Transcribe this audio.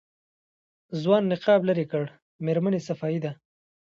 ځوان نقاب لېرې کړ مېرمنې صفايي ده.